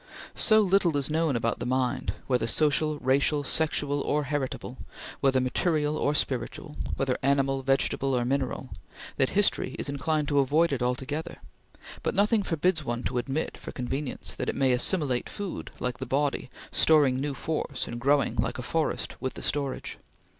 So little is known about the mind whether social, racial, sexual or heritable; whether material or spiritual; whether animal, vegetable or mineral that history is inclined to avoid it altogether; but nothing forbids one to admit, for convenience, that it may assimilate food like the body, storing new force and growing, like a forest, with the storage.